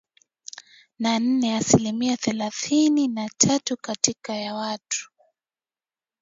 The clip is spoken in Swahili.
na nne asilimia thelathini na tatu kati ya watu